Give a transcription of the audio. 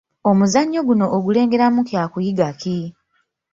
Omuzannyo guno ogulengeramu kyakuyiga ki?